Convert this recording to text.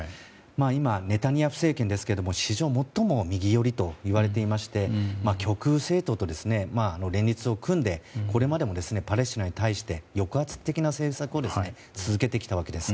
今、ネタニヤフ政権ですが史上最も右寄りといわれていまして極右政党と連立を組んでこれまでもパレスチナに対して抑圧的な政策を続けてきたわけです。